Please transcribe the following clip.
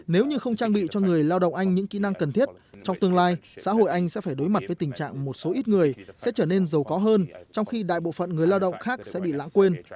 nếu như không trang bị cho người lao động anh những kỹ năng cần thiết trong tương lai xã hội anh sẽ phải đối mặt với tình trạng một số ít người sẽ trở nên giàu có hơn trong khi đại bộ phận người lao động khác sẽ bị lãng quên